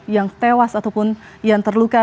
yang tewas ataupun yang terluka